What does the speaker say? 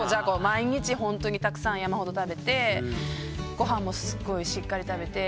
毎日本当にたくさん山ほど食べてご飯もすごいしっかり食べて。